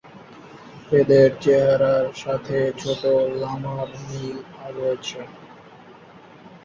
এদের চেহারার সাথে ছোট লামার মিল রয়েছে।